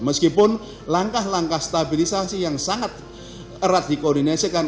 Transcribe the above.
meskipun langkah langkah stabilisasi yang sangat erat dikoordinasikan